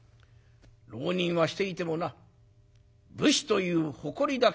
浪人はしていてもな武士という誇りだけは捨てたくはない。